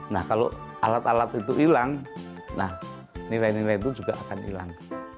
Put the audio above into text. nah kalau alat alat itu hilang nah nilai nilai itu juga akan hilang